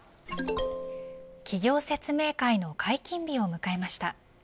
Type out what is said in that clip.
企業説明会の解禁日を迎えました。